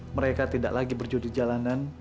mereka tidak lagi berjudi jalanan